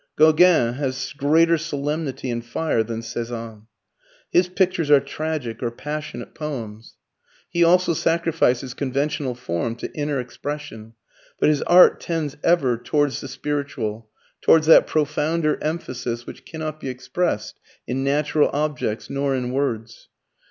Gauguin has greater solemnity and fire than Cezanne. His pictures are tragic or passionate poems. He also sacrifices conventional form to inner expression, but his art tends ever towards the spiritual, towards that profounder emphasis which cannot be expressed in natural objects nor in words.